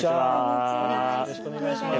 よろしくお願いします。